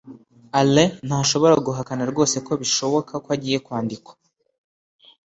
alain ntashobora guhakana rwose ko bishoboka ko agiye kwandikwa